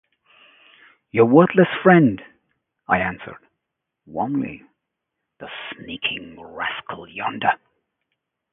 ‘Your worthless friend!’ I answered, warmly: ‘the sneaking rascal yonder'.